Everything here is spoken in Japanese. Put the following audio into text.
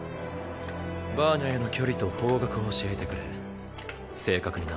バーニャへの距離と方角を教えてくれ正確にな。